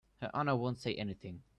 Her Honor won't say anything.